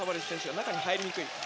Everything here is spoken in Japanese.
中に入りにくい。